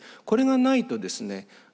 これがないとですね